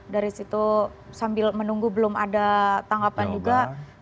dari situ sambil menunggu belum ada tanggapan juga